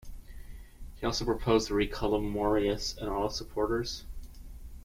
He also proposed the recall of Marius and all his supporters.